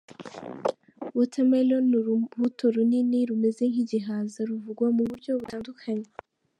Watermelon ni urubuto runini rumeze nk’igihaza, ruvugwa mu buryo butandukanye.